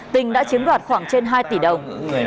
tình đã chiếm đoạt khoảng trên hai tỷ đồng